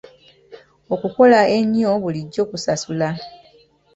Okukola ennyo bulijjo kusasula.